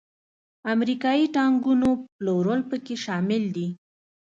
امریکایي ټانکونو پلورل پکې شامل دي.